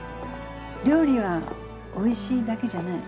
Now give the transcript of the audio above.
料理はおいしいだけじゃない。